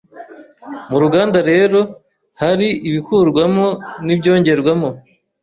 Mu ruganda rero hari ibikurwamo n’ibyongerwamo,